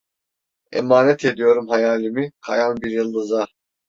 Emanet ediyorum hayalimi, kayan bir yıldıza.